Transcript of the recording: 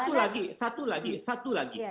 satu lagi satu lagi satu lagi